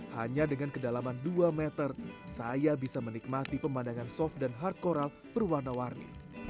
hanya dengan kedalaman dua meter saya bisa menikmati pemandangan soft dan hard coral berwarna warni